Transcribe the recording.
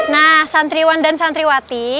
nah santriwan dan santriwati